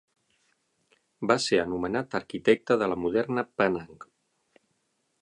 Va ser anomenat "arquitecte de la moderna Penang".